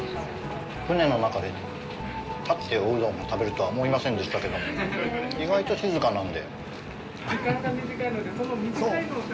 船の中で、立っておうどんを食べるとは思いませんでしたけども、意外と静かなんで。